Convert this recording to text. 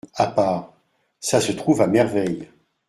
A part, Ca se trouve à merveille !